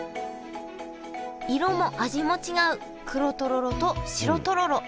色も味も違う黒とろろと白とろろ。